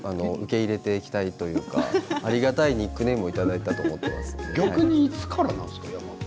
受け入れていきたいというか、ありがたいニックネームをいただいたと思っています。